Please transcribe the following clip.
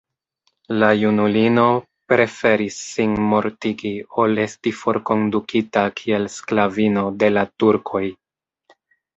La junulino preferis sin mortigi ol esti forkondukita kiel sklavino de la turkoj.